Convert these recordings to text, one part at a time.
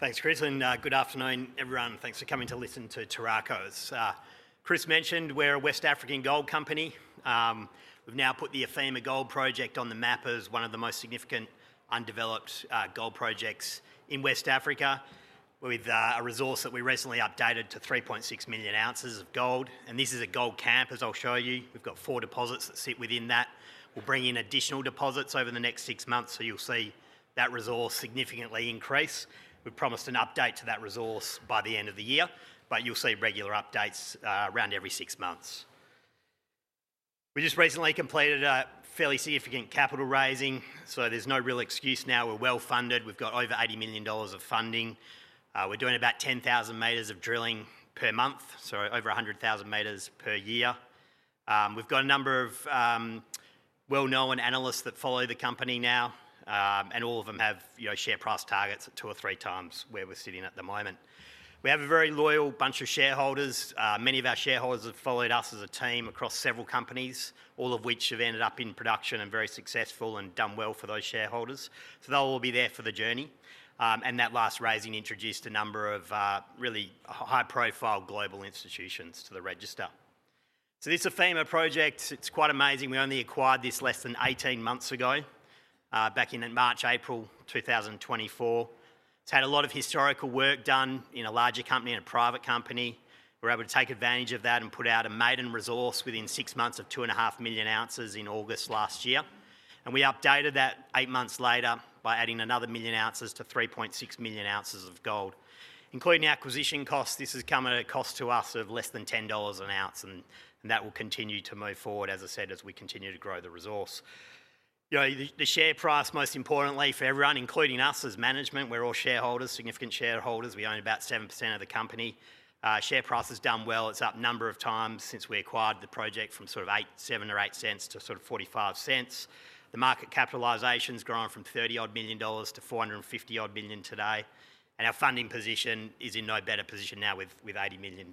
Thanks, Chris, and good afternoon, everyone. Thanks for coming to listen to Turaco. As Chris mentioned, we're a West African gold company. We've now put the Athena Gold Project on the map as one of the most significant undeveloped gold projects in West Africa, with a resource that we recently updated to 3.6 million ounces of gold. This is a gold camp, as I'll show you. We've got four deposits that sit within that. We'll bring in additional deposits over the next six months, so you'll see that resource significantly increase. We promised an update to that resource by the end of the year, but you'll see regular updates around every six months. We just recently completed a fairly significant capital raising, so there's no real excuse now. We're well funded. We've got over $80 million of funding. We're doing about 10,000 meters of drilling per month, so over 100,000 meters per year. We've got a number of well-known analysts that follow the company now, and all of them have, you know, share price targets at two or three times where we're sitting at the moment. We have a very loyal bunch of shareholders. Many of our shareholders have followed us as a team across several companies, all of which have ended up in production and very successful and done well for those shareholders. They'll all be there for the journey. That last raising introduced a number of really high-profile global institutions to the register. This Athena Gold Project, it's quite amazing. We only acquired this less than 18 months ago, back in March-April 2024. It's had a lot of historical work done in a larger company, in a private company. We were able to take advantage of that and put out a maiden resource within six months of 2.5 million ounces in August last year. We updated that eight months later by adding another million ounces to 3.6 million ounces of gold. Including acquisition costs, this has come at a cost to us of less than $10 an ounce, and that will continue to move forward, as I said, as we continue to grow the resource. The share price, most importantly for everyone, including us as management, we're all shareholders, significant shareholders. We own about 7% of the company. Share price has done well. It's up a number of times since we acquired the project from sort of $0.08, $0.07 or $0.08 to sort of $0.45. The market capitalization has grown from $30 million-$450 million today. Our funding position is in no better position now with $80 million.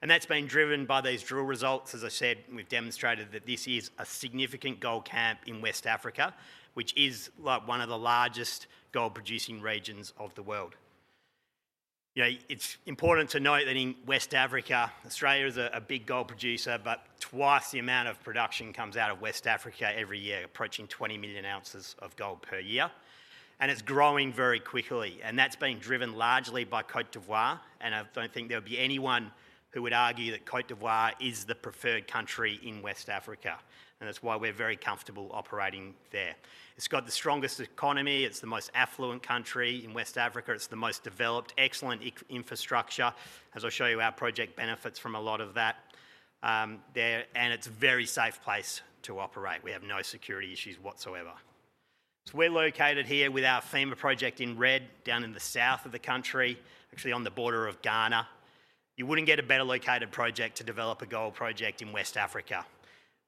That's been driven by these drill results. As I said, we've demonstrated that this is a significant gold camp in West Africa, which is one of the largest gold producing regions of the world. It's important to note that in West Africa, Australia is a big gold producer, but twice the amount of production comes out of West Africa every year, approaching 20 million ounces of gold per year. It's growing very quickly. That's been driven largely by Côte d'Ivoire. I don't think there would be anyone who would argue that Côte d'Ivoire is the preferred country in West Africa. That's why we're very comfortable operating there. It's got the strongest economy. It's the most affluent country in West Africa. It's the most developed, excellent infrastructure. As I'll show you, our project benefits from a lot of that there. It's a very safe place to operate. We have no security issues whatsoever. We're located here with our Athena Gold Project in red, down in the south of the country, actually on the border of Ghana. You wouldn't get a better located project to develop a gold project in West Africa.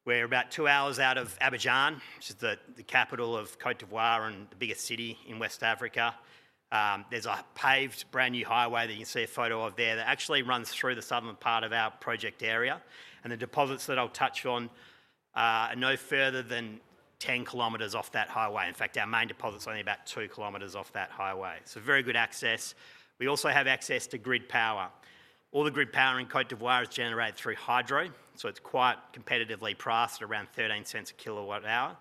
We're about two hours out of Abidjan, which is the capital of Côte d'Ivoire and the biggest city in West Africa. There's a paved brand new highway that you can see a photo of there that actually runs through the southern part of our project area. The deposits that I'll touch on are no further than 10 km off that highway. In fact, our main deposit is only about two km off that highway, so very good access. We also have access to grid power. All the grid power in Côte d'Ivoire is generated through hydro. It's quite competitively priced at around $0.13 a kWh.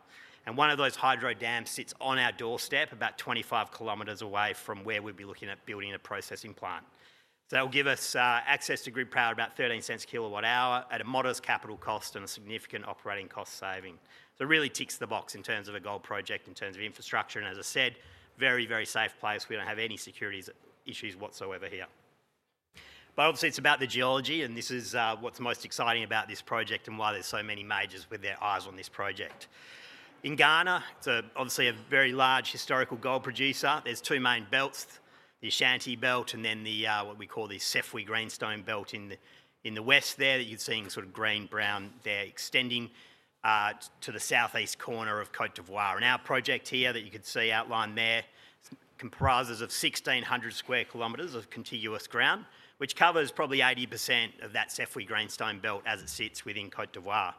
One of those hydro dams sits on our doorstep about 25 km away from where we'd be looking at building a processing plant. That will give us access to grid power at about $0.13 a kWh at a modest capital cost and a significant operating cost saving. It really ticks the box in terms of a gold project, in terms of infrastructure. As I said, very, very safe place. We don't have any security issues whatsoever here. Obviously, it's about the geology. This is what's most exciting about this project and why there's so many majors with their eyes on this project. In Ghana, it's obviously a very large historical gold producer. There are two main belts, the Ashanti Belt and then what we call the Sefwi Greenstone Belt in the west there that you can see in sort of green-brown there extending to the southeast corner of Côte d'Ivoire. Our project here that you can see outlined there comprises 1,600 sq km of contiguous ground, which covers probably 80% of that Sefwi Greenstone Belt as it sits within Côte d'Ivoire.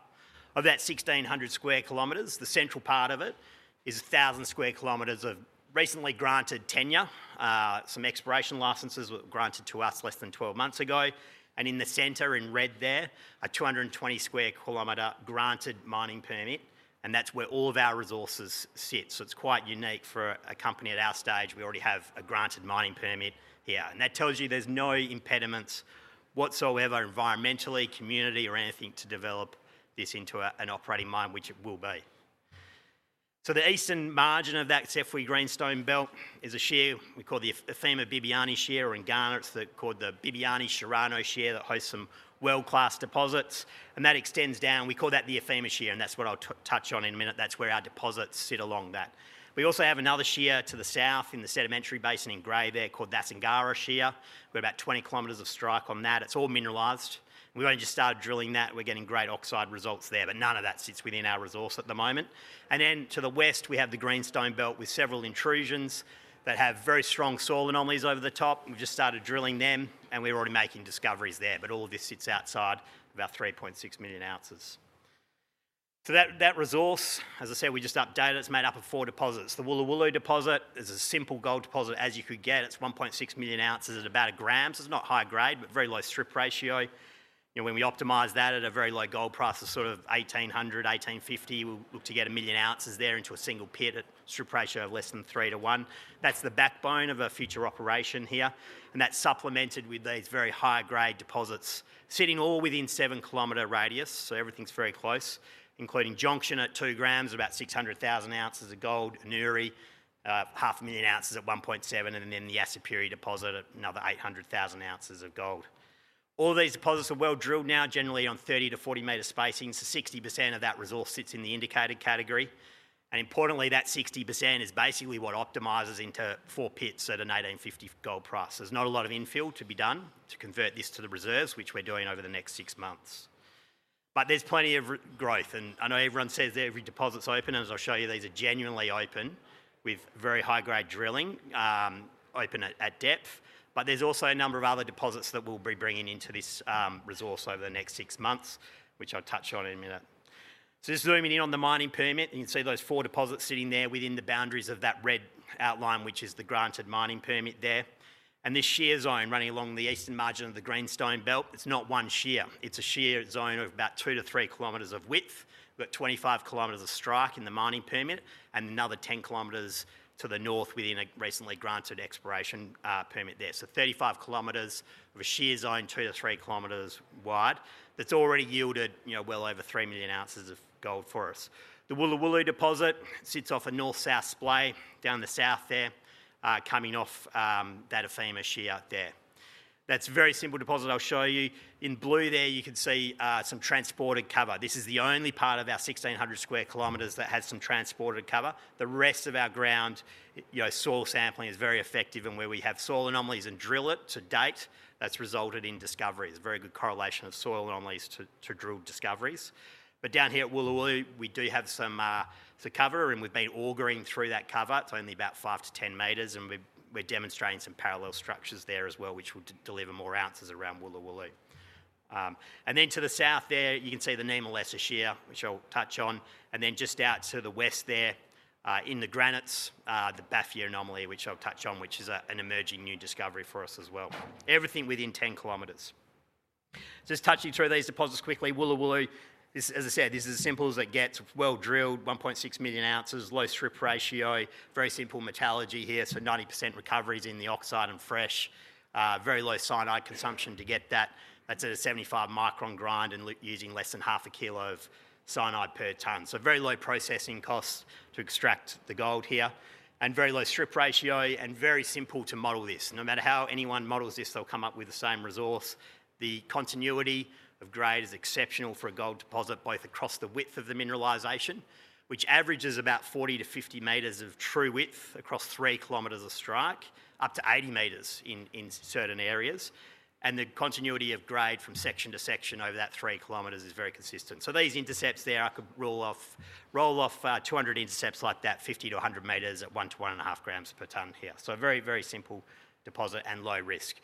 Of that 1,600 sq km, the central part of it is 1,000 sq km of recently granted tenure. Some exploration licenses were granted to us less than 12 months ago. In the center in red there, a 220 sq km granted mining permit. That's where all of our resources sit. It's quite unique for a company at our stage. We already have a granted mining permit here. That tells you there's no impediments whatsoever environmentally, community, or anything to develop this into an operating mine, which it will be. The eastern margin of that Sefwi Greenstone Belt is a shear we call the Athena Bibiani Shear. In Ghana, it's called the Bibiani Chirano Shear that hosts some world-class deposits. That extends down. We call that the Athena Shear. That's what I'll touch on in a minute. That's where our deposits sit along that. We also have another shear to the south in the sedimentary basin in gray there called the Asingara Shear. We have about 20 km of strike on that. It's all mineralized. We've only just started drilling that. We're getting great oxide results there, but none of that sits within our resource at the moment. To the west, we have the Greenstone Belt with several intrusions that have very strong soil anomalies over the top. We've just started drilling them, and we're already making discoveries there. All of this sits outside of about 3.6 million ounces. That resource, as I said, we just updated. It's made up of four deposits. The Woulo Woulo Deposit is as simple a gold deposit as you could get. It's 1.6 million ounces at about a gram. It's not high grade, but very low strip ratio. When we optimize that at a very low gold price of $1,800, $1,850, we'll look to get a million ounces there into a single pit at strip ratio of less than three to one. That's the backbone of a future operation here, and that's supplemented with these very high-grade deposits sitting all within a seven km radius. Everything's very close, including Jonction at 2 grams of about 600,000 ounces of gold, Inuri, half a million ounces at 1.7, and then the Assipuri Deposit at another 800,000 ounces of gold. All of these deposits are well drilled now, generally on 30-40 meter spacings. 60% of that resource sits in the indicated category. Importantly, that 60% is basically what optimizes into four pits at a $1,850 gold price. There's not a lot of infill to be done to convert this to the reserves, which we're doing over the next six months. There's plenty of growth. I know everyone says every deposit's open. As I'll show you, these are genuinely open with very high-grade drilling, open at depth. There's also a number of other deposits that we'll be bringing into this resource over the next six months, which I'll touch on in a minute. Just zooming in on the mining permit, you can see those four deposits sitting there within the boundaries of that red outline, which is the granted mining permit there. This shear zone running along the eastern margin of the Sefwi Greenstone Belt, it's not one shear. It's a shear zone of about two to three km of width. We've got 25 km of strike in the mining permit and another 10 km to the north within a recently granted exploration permit there. 35 km of a shear zone, two to three km wide, that's already yielded well over 3 million ounces of gold for us. The Woulo Woulo Deposit sits off a north-south splay down the south there, coming off that Athena Shear there. That's a very simple deposit I'll show you. In blue there, you can see some transported cover. This is the only part of our 1,600 sq km that has some transported cover. The rest of our ground, soil sampling is very effective in where we have soil anomalies and drill it to date. That's resulted in discoveries. Very good correlation of soil anomalies to drilled discoveries. Down here at Woulo Woulo, we do have some cover and we've been augering through that cover. It's only about five to ten meters and we're demonstrating some parallel structures there as well, which will deliver more ounces around Woulo Woulo. To the south there, you can see the Nianemlessa Shear, which I'll touch on. Just out to the west there, in the granites, the Bafia Anomaly, which I'll touch on, which is an emerging new discovery for us as well. Everything within 10 km. Just touching through these deposits quickly, Woulo Woulo, as I said, this is as simple as it gets. Well drilled, 1.6 million ounces, low strip ratio, very simple metallurgy here. 90% recoveries in the oxide and fresh, very low cyanide consumption to get that. That's at a 75 micron grind and using less than half a kilo of cyanide per ton. Very low processing cost to extract the gold here and very low strip ratio and very simple to model this. No matter how anyone models this, they'll come up with the same resource. The continuity of grade is exceptional for a gold deposit both across the width of the mineralization, which averages about 40-50 meters of true width across three km of strike, up to 80 meters in certain areas. The continuity of grade from section to section over that three km is very consistent. These intercepts there, I could roll off 200 intercepts like that, 50-100 meters at one to one and a half grams per ton here. A very, very simple deposit and low risk.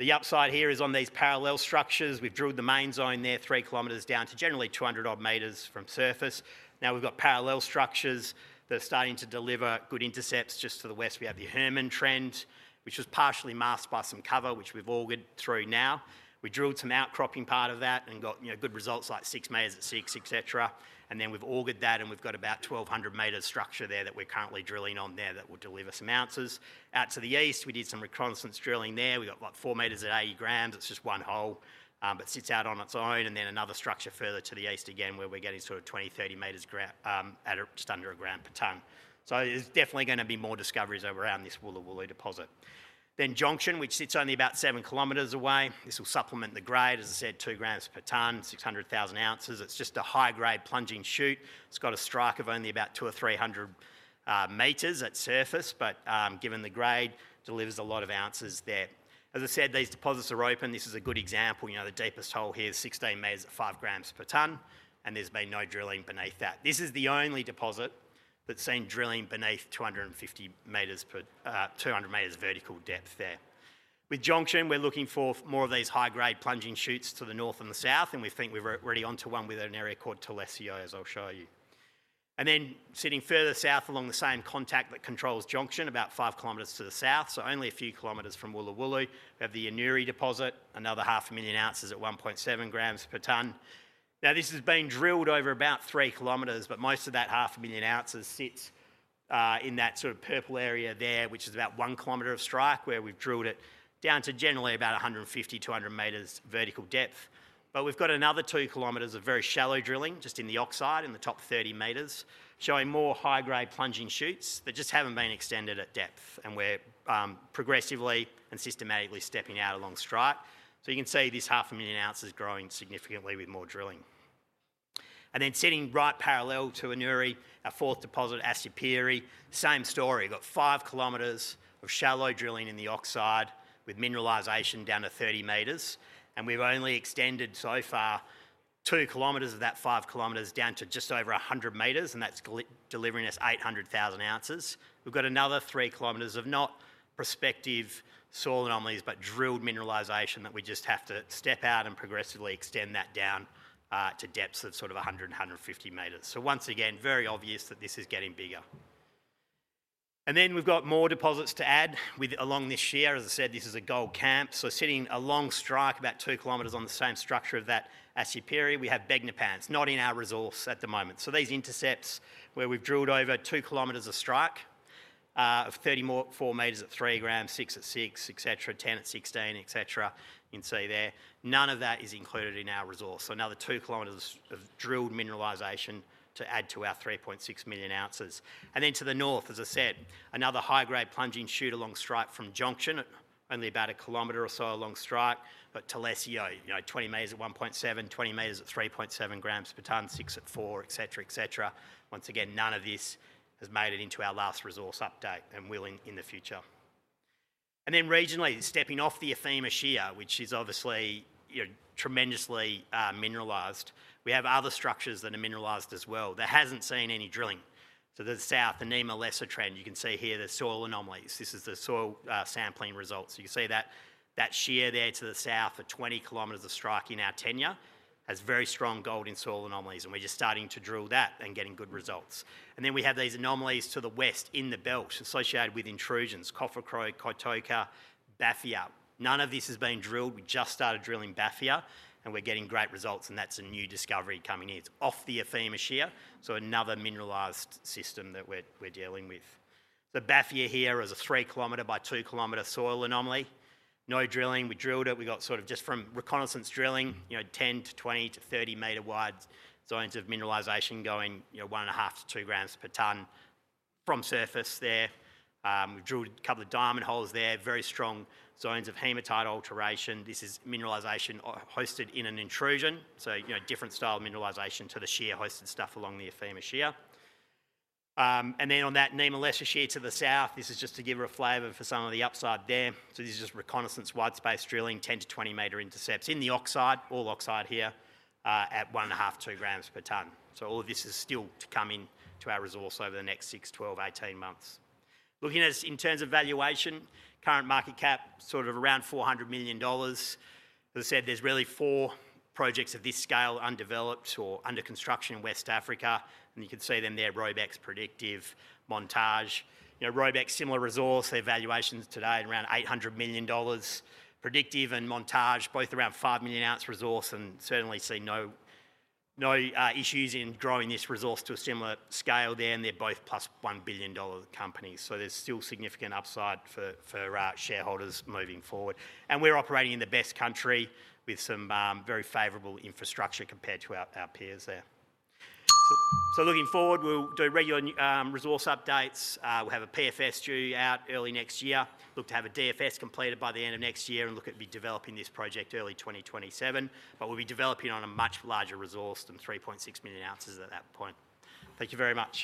The upside here is on these parallel structures. We've drilled the main zone there three km down to generally 200 odd meters from surface. Now we've got parallel structures that are starting to deliver good intercepts. Just to the west, we have the Herman Trend, which was partially masked by some cover, which we've augered through now. We drilled some outcropping part of that and got good results like six meters at six, et cetera. We've augered that and we've got about 1,200 meters structure there that we're currently drilling on that will deliver some ounces. Out to the east, we did some reconnaissance drilling there. We got four meters at 80 grams. It's just one hole that sits out on its own. Another structure further to the east again where we're getting sort of 20, 30 meters at just under a gram per ton. There's definitely going to be more discoveries over around this Woulo Woulo deposit. Jonction, which sits only about seven km away, will supplement the grade, as I said, two grams per ton, 600,000 ounces. It's just a high-grade plunging chute. It's got a strike of only about two or three hundred meters at surface, but given the grade, delivers a lot of ounces there. As I said, these deposits are open. This is a good example. The deepest hole here is 16 meters at five grams per ton. There's been no drilling beneath that. This is the only deposit that's seen drilling beneath 250 meters per 200 meters vertical depth there. With Jonction, we're looking for more of these high-grade plunging chutes to the north and the south. We think we're already onto one with an area called Toilesso, as I'll show you. Sitting further south along the same contact that controls Jonction, about five km to the south, only a few km from Woulo Woulo of the Inuri Deposit, another half a million ounces at 1.7 grams per ton. This has been drilled over about three km, but most of that half a million ounces sits in that sort of purple area there, which is about one km of strike where we've drilled it down to generally about 150, 200 meters vertical depth. We've got another two km of very shallow drilling just in the oxide in the top 30 meters, showing more high-grade plunging chutes that just haven't been extended at depth. We're progressively and systematically stepping out along strike. You can see this half a million ounces growing significantly with more drilling. Sitting right parallel to Inuri, our fourth deposit, Assipuri, same story. We've got five km of shallow drilling in the oxide with mineralization down to 30 meters. We've only extended so far two km of that five km down to just over 100 meters, and that's delivering us 800,000 ounces. We've got another three km of not prospective soil anomalies, but drilled mineralization that we just have to step out and progressively extend that down to depths of sort of 100, 150 meters. Once again, very obvious that this is getting bigger. We've got more deposits to add along this shear. As I said, this is a gold camp. Sitting along strike about two km on the same structure of that Assipuri, we have Begnopan. It's not in our resource at the moment. These intercepts where we've drilled over two km of strike, of 34 meters at three grams, six at six, 10 at 16, you can see there. None of that is included in our resource. Another two km of drilled mineralization to add to our 3.6 million ounces. To the north, as I said, another high-grade plunging chute along strike from Jonction, only about a km or so along strike, but Toilesso, you know, 20 meters at 1.7, 20 meters at 3.7 grams per ton, six at four, et cetera. Once again, none of this has made it into our last resource update and will in the future. Regionally, stepping off the Athena Shear, which is obviously, you know, tremendously mineralized, we have other structures that are mineralized as well that haven't seen any drilling. To the south, the Nianemlessa Trend, you can see here the soil anomalies. This is the soil sampling results. You can see that that shear there to the south for 20 km of strike in our tenure has very strong gold in soil anomalies. We're just starting to drill that and getting good results. We have these anomalies to the west in the belt associated with intrusions, Coffer Crow, Kotoka, Bafia. None of this has been drilled. We just started drilling Bafia and we're getting great results. That's a new discovery coming in. It's off the Athena Shear, so another mineralized system that we're dealing with. The Bafia here is a three km by two km soil anomaly. No drilling. We drilled it. We got just from reconnaissance drilling, you know, 10-20-30 meter wide zones of mineralization going, you know, one and a half to two grams per ton from surface there. We drilled a couple of diamond holes there, very strong zones of hematite alteration. This is mineralization hosted in an intrusion, so, you know, different style of mineralization to the shear hosted stuff along the Athena Shear. On that Nianemlessa Shear to the south, this is just to give a flavor for some of the upside there. This is just reconnaissance wide space drilling, 10-20 meter intercepts in the oxide, all oxide here, at one and a half, two grams per ton. All of this is still to come into our resource over the next six, 12, 18 months. Looking at in terms of valuation, current market cap, sort of around $400 million. As I said, there's really four projects of this scale undeveloped or under construction in West Africa. You can see them there, Robex, Predictive, Montage. Robex's similar resource, their valuations today at around $800 million. Predictive and Montage, both around 5 million ounce resource and certainly see no issues in growing this resource to a similar scale there. They're both plus $1 billion companies. There's still significant upside for shareholders moving forward. We're operating in the best country with some very favorable infrastructure compared to our peers there. Looking forward, we'll do regular resource updates. We'll have a PFS due out early next year, look to have a DFS completed by the end of next year, and look at developing this project early 2027. We'll be developing on a much larger resource than 3.6 million ounces at that point. Thank you very much.